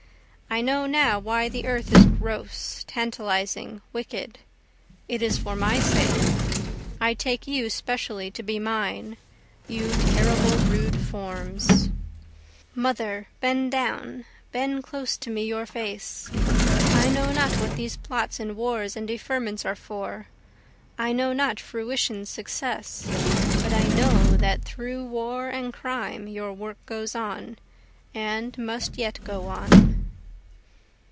I know now why the earth is gross, tantalizing, wicked, it is for my sake, I take you specially to be mine, you terrible, rude forms. (Mother, bend down, bend close to me your face, I know not what these plots and wars and deferments are for, I know not fruition's success, but I know that through war and crime your work goes on, and must yet go on.)